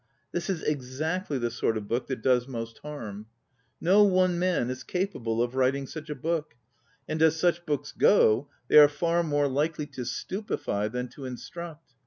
This is exactly the sort of book that does most harm. No one man is capable of writing such a book, and as such books go they are far more likely to stupefy than to in struct.